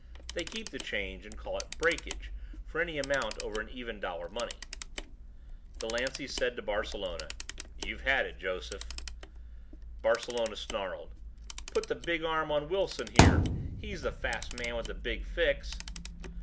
They keep the change and call it "Breakage" for any amount over an even dollar money. Delancey said to Barcelona, "You have had it, Joseph." Barcelona snarled, "Put the big arm on Wilson here. He's the fast man with the big fix."